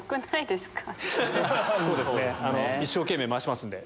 一生懸命回しますんで。